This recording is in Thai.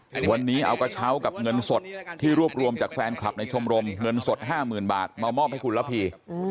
วันนี้เอากระเช้ากับเงินสดที่รวบรวมจากแฟนคลับในชมรมเงินสดห้าหมื่นบาทมามอบให้คุณระพี